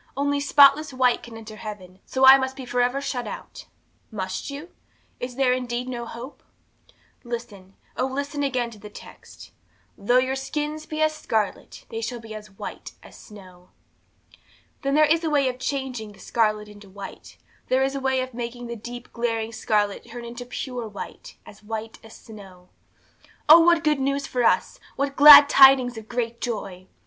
Only spotless white can enter heaven, so I must be for ever shut out! 'Must you? Is there indeed no hope? 'Listen, oh, listen again to the text "though your sins be as scarlet, they shall be as white as snow." 'Then there is a way of changing the scarlet into white; there is a way of making the deep, glaring scarlet turn into pure white, as white as snow. 'Oh, what good news for us! What glad tidings of great joy!